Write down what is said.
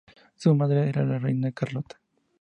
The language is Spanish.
Su madre era la reina Carlota.